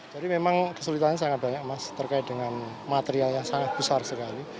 jadi memang kesulitannya sangat banyak mas terkait dengan material yang sangat besar sekali